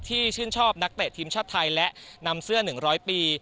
ชื่นชอบนักเตะทีมชาติไทยและนำเสื้อ๑๐๐ปี